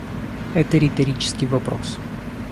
Это риторический вопрос.